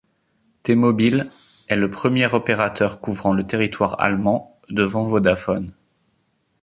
T-Mobile est le premier opérateur couvrant le territoire allemand, devant Vodafone.